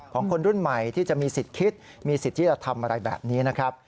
ของคนรุ่นใหม่ที่จะมีสิทธิ์คิดมีสิทธิศธรรมอะไรแบบนี้